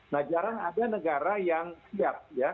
nah jarang ada negara yang siap ya